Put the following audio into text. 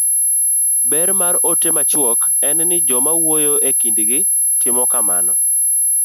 ber mar ote machuok en ni joma wuoyo e kindgi timo kamano